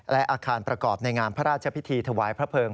และอาคารประกอบในงานพระราชพิธีถวายพระเพิง